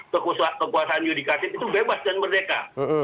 karena kekuasaan yudikasi itu bebas dan merdeka